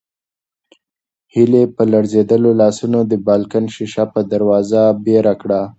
هیلې په لړزېدلو لاسونو د بالکن شیشه یي دروازه بېره کړه.